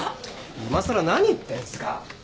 今さら何言ってんすか？